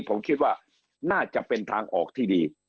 ผมคิดว่าน่าจะเป็นทางออกที่ดี